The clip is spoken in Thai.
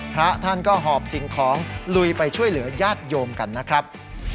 พระท่านก็หอบสิ่งของลุยไปช่วยเหลือญาติโยมกันนะครับ